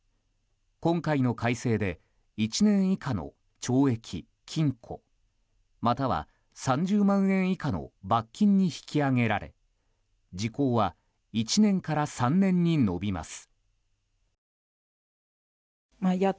今回の改正で１年以下の懲役・禁錮または３０万円以下の罰金に引き上げられ時効は１年から３年に延びます。